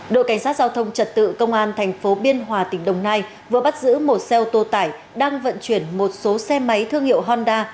đội cảnh sát giao thông trật tự công an thành phố biên hòa tỉnh đồng nai vừa bắt giữ một xe ô tô tải đang vận chuyển một số xe máy thương hiệu honda